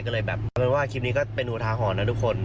ก็เลยแบบคือว่าคลิปนี้ก็เป็นหูทาหอนะทุกคน